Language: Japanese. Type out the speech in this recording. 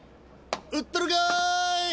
売ってるかい！